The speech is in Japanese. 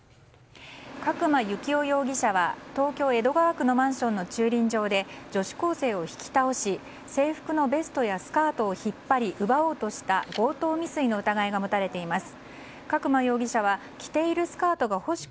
角間幸雄容疑者は東京・江戸川区のマンションの駐輪場で女子高生を引き倒し制服のベストやスカートを引っ張り奪おうとした強盗未遂の疑いが持たれています。